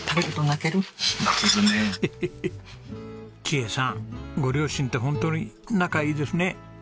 千絵さんご両親ってホントに仲いいですね。